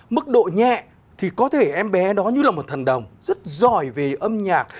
mức độ nhẹ thì có thể em bé đó như là một thần đồng rất giỏi về âm nhạc